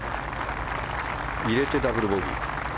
入れて、ダブルボギー。